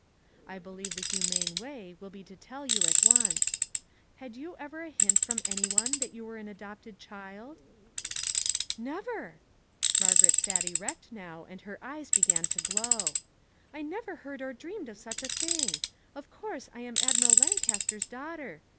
I believe the humane way will be to tell you at once. 398 WHAT ELSE COULD ONE DO ?" Had you ever a hint from any one that you were an adopted child? "" Never !" Margaret sat erect now, and her eyes began to glow ; "I never heard or dreamed of such a thing; of course, I am Admiral Lancaster's daughter.